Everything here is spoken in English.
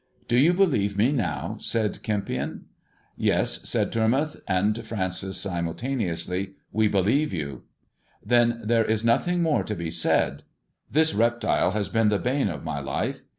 " Do you believe me now 1 " said Kempion. " Tes," said Tormontdi and E^ancis simultaneously, ' believe you." '' Then there is nothing more to be said. This rn has been the bane of my life.